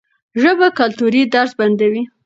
ژبه کلتوري درز بندوي.